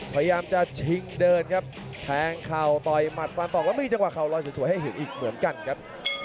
พยายามจะชิงเดินครับแทงเข่าต่อยหมัดฟันตอกแล้วมีจังหวะเข่าลอยสวยให้เห็นอีกเหมือนกันครับ